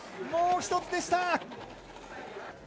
もうひとつでした。